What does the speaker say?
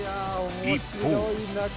一方。